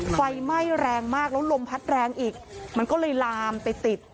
ไฟไหม้แรงมากแล้วลมพัดแรงอีกมันก็เลยลามไปติด